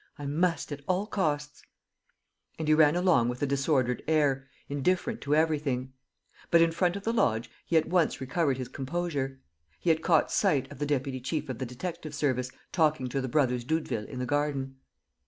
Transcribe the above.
"I must, at all costs." And he ran along with a disordered air, indifferent to everything. But, in front of the lodge, he at once recovered his composure: he had caught sight of the deputy chief of the detective service talking to the brothers Doudeville in the garden.